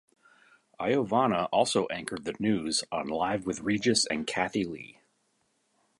Iovanna also anchored the news on "Live with Regis and Kathie Lee".